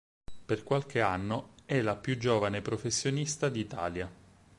Per qualche anno è la più giovane professionista d'Italia.